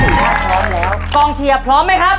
ทั้ง๔ข้อพร้อมแล้วกองเฉียพร้อมไหมครับ